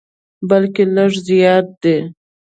بلکې لږ زیات دي.